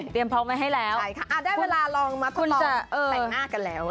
พร้อมมาให้แล้วได้เวลาลองมาพอต่อแปลงง่ากันแล้ว